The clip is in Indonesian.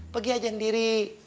pergi aja sendiri